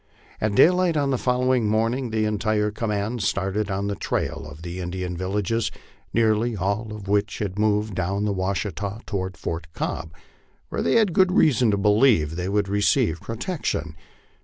At daylight on the following morning the entire command started on the trail of the Indian villages, nearly all of which had moved down the Washita toward Fort Cobb, where they had good reason to believe they would receive protection.